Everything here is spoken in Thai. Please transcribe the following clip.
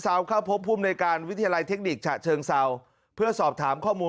เข้าพบภูมิในการวิทยาลัยเทคนิคฉะเชิงเซาเพื่อสอบถามข้อมูล